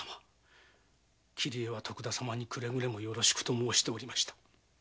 桐江は徳田様に「くれぐれもよろしく」と申しておりました。